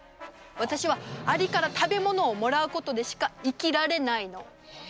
私はアリから食べ物をもらうことでしか生きられないの。